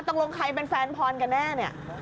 ตรงรวมใครเป็นแฟนพรกันแน่นี่